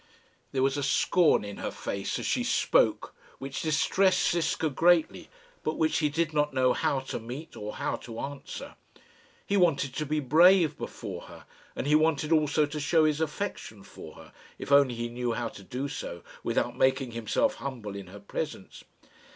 There was a scorn in her face as she spoke which distressed Ziska greatly, but which he did not know how to meet or how to answer. He wanted to be brave before her; and he wanted also to show his affection for her, if only he knew how to do so, without making himself humble in her presence.